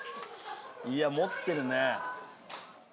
いや持ってるね。